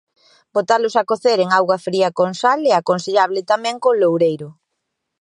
Botalos a cocer en auga fría con sal e aconsellable tamén con loureiro.